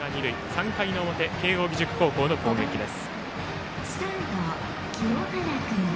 ３回の表慶応義塾高校の攻撃です。